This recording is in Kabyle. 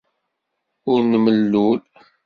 Ur nmellul.